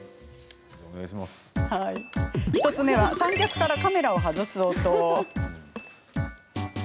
１つ目は三脚からカメラを外す音。